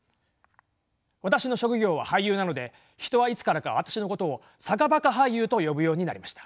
私の職業は俳優なので人はいつからか私のことを坂バカ俳優と呼ぶようになりました。